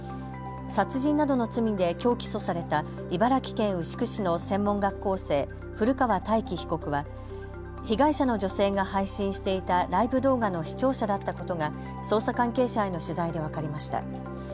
殺人などの罪できょう起訴された茨城県牛久市の専門学校生、古川大輝被告は被害者の女性が配信していたライブ動画の視聴者だったことが捜査関係者への取材で分かりました。